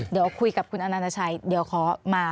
เดี๋ยวคุยกับคุณอนาชัยเดี๋ยวขอมา